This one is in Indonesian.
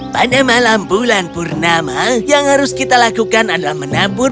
pada malam bulan purnama yang harus kita lakukan adalah menabur